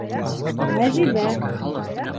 Нәжибә.